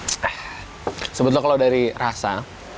nah sebetulnya kalau dari rasa